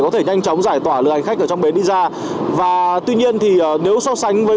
có thể nhanh chóng giải tỏa lượng hành khách ở trong bến đi ra và tuy nhiên thì nếu so sánh với